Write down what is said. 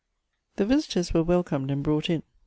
THE visitors were welcomed and brought in.